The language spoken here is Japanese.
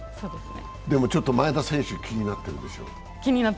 でもちょっと前田選手、気になってるでしょ。